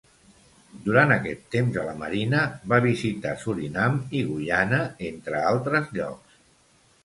Durant aquest temps a la marina, va visitar Suriname i Guyana entre altres llocs.